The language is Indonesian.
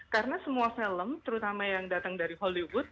karena semua film terutama yang datang dari hollywood